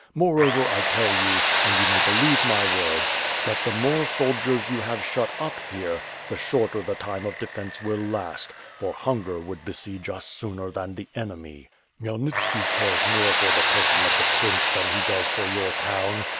Moreover, I tell you, and youj may believe my words, that the more soldiers you have shut up here, the shorter the time of defence will last, for hunger would besiege us sooner than the enemy. Khmyelnitski cares more for the person of the prince than he does for your town.